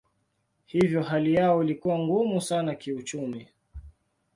Hivyo hali yao ilikuwa ngumu sana kiuchumi.